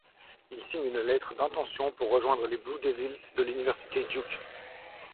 Il signe une lettre d'intention pour rejoindre les Blue Devils de l'Université Duke.